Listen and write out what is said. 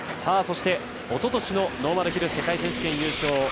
そして、おととしのノーマルヒル世界選手権優勝。